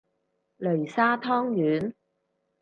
擂沙湯圓